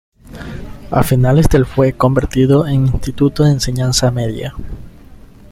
A finales del fue convertido en instituto de enseñanza media.